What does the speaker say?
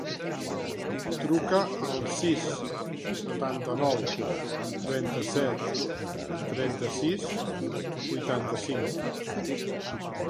Truca al sis, setanta-nou, trenta-set, trenta-sis, vuitanta-cinc.